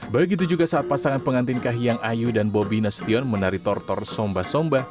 begitu juga saat pasangan pengantin kahyang ayu dan bobina sution menari tortor somba somba